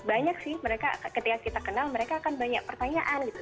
banyak sih mereka ketika kita kenal mereka akan banyak pertanyaan gitu